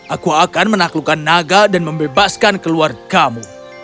aku akan menaklukkan naga dan membebaskan keluargamu